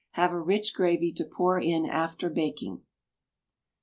Have a rich gravy to pour in after baking.